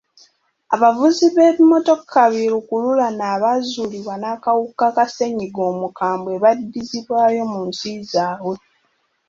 Abavuzi b'ebimmotoka bi lukululana abaazuulibwa n'akawuka ka ssennyiga omukambwe baddizibwayo mu nsi zaabwe.